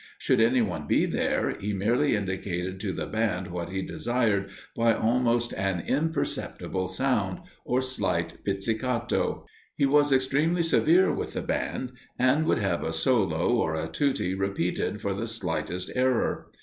Should any one be there, he merely indicated to the band what he desired by almost an imperceptible sound, or slight pizzicato. He was extremely severe with the band; and would have a solo or a tutti repeated for the slightest error.